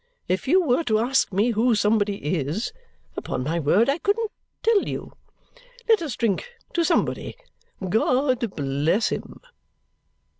If you were to ask me who somebody is, upon my word I couldn't tell you. Let us drink to somebody. God bless him!"